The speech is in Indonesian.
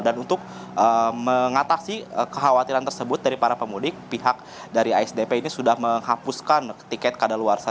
dan untuk mengatasi kekhawatiran tersebut dari para pemudik pihak dari sdp ini sudah menghapuskan tiket keadaan luar saya